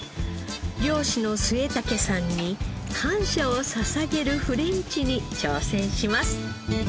漁師の末竹さんに感謝を捧げるフレンチに挑戦します。